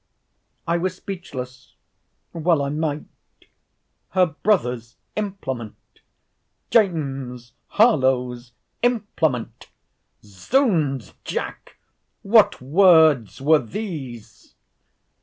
I was speechless!—Well I might!—Her brother's implement!—James Harlowe's implement!—Zounds, Jack! what words were these!